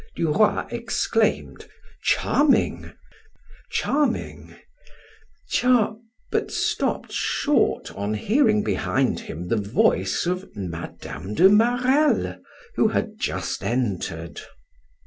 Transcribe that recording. Duroy exclaimed: "Charming, charming, char " but stopped short on hearing behind him the voice of Mme. de Marelle who had just entered.